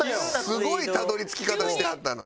すごいたどり着き方してはったな。